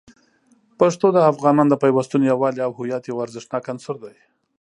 پښتو د افغانانو د پیوستون، یووالي، او هویت یو ارزښتناک عنصر دی.